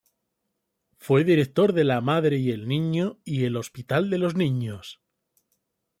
Fue director de "La Madre y el Niño" y "El Hospital de los Niños".